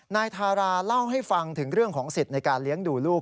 นายทาราเล่าให้ฟังถึงเรื่องของสิทธิ์ในการเลี้ยงดูลูก